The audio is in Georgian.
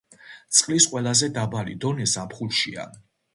წყლის ყველაზე დაბალი დონე ზაფხულშია.